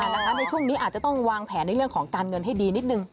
ในช่วงนี้อาจจะต้องวางแผนในเรื่องของการเงินให้ดีนิดนึง